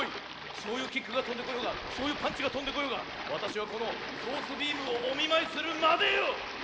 しょうゆキックがとんでこようがしょうゆパンチがとんでこようがわたしはこのソースビームをおみまいするまでよ！